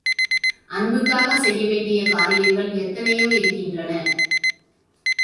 அன்புக்காகச் செய்ய வேண்டிய காரியங்கள் எத்தனையோ இருக்கின்றன.